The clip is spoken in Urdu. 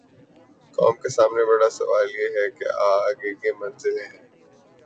قوم کے سامنے بڑا سوال یہ ہے کہ آگے کی منزلیں ہیں۔